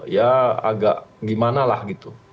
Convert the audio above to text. ya agak gimana lah gitu